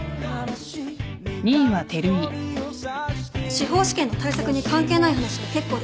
司法試験の対策に関係ない話は結構です。